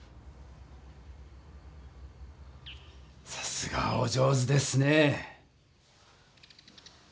さすがお上手ですね。